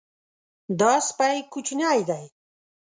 دا سپی کوچنی دی.